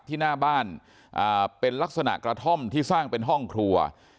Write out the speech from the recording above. ที่หน้าบ้านเป็นลักษณะกระท่อมที่สร้างเป็นห้องครัว